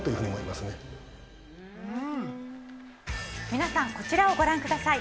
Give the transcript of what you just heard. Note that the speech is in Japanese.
皆さんこちらをご覧ください。